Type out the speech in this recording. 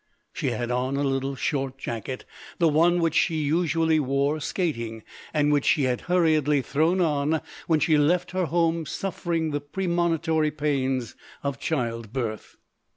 She had on a little short jacket, the one which she usually wore skating, and which she had hurriedly thrown on when she left her home suffering the premonitory pains of childbirth.